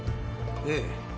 ええ。